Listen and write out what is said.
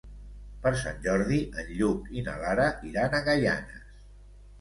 Per Sant Jordi en Lluc i na Lara iran a Gaianes.